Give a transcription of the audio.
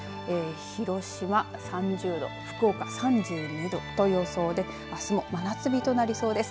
広島３０度福岡３２度と予想であすも真夏日となりそうです。